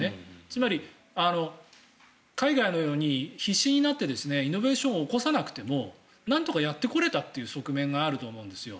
つまり、海外のように必死になってイノベーションを起こさなくてもなんとかやってこれたという側面があると思うんです。